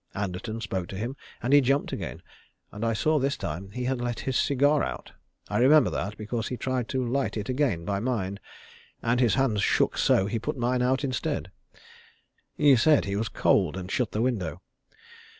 Anderton spoke to him, and he jumped again, and I saw this time he had let his cigar out. I remember that, because he tried to light it again by mine, and his hand shook so he put mine out instead. He said he was cold, and shut the window.